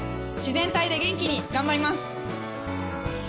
自然体で元気に頑張ります。